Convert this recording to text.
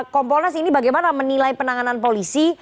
kompolnas ini bagaimana menilai penanganan polisi